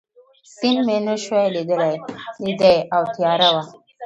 سیند مې نه شوای لیدای او تیاره وه.